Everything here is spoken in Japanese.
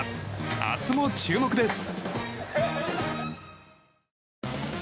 明日も注目です。